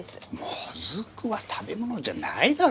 もずくは食べ物じゃないだろ。